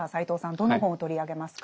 どの本を取り上げますか？